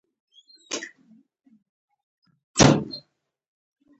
د خارجي پانګونې جذبول د هیواد اقتصاد پیاوړی کوي.